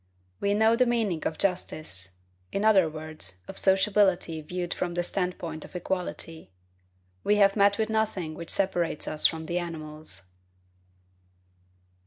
We know the meaning of justice; in other words, of sociability viewed from the standpoint of equality. We have met with nothing which separates us from the animals.